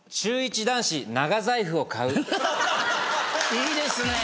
いいですねぇ！